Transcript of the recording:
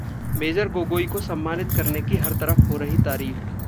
major Gogoi को सम्मानित करने की हर तरफ हो रही तारीफ